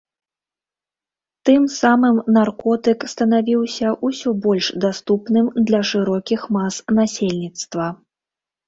Тым самым наркотык станавіўся ўсё больш даступным для шырокіх мас насельніцтва.